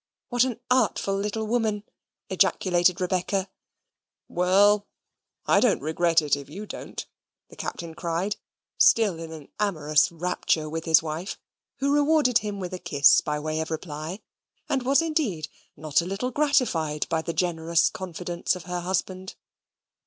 "What an artful little woman!" ejaculated Rebecca. "Well, I don't regret it, if you don't," the Captain cried, still in an amorous rapture with his wife, who rewarded him with a kiss by way of reply, and was indeed not a little gratified by the generous confidence of her husband.